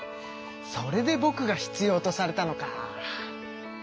それでぼくが必要とされたのか。